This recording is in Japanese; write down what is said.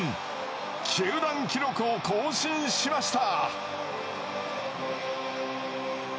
球団記録を更新しました。